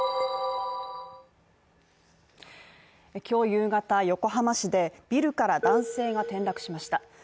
今日夕方、横浜市でビルから男性が転落しました。